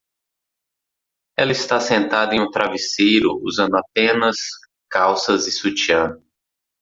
Ela está sentada em um travesseiro, usando apenas calças e sutiã.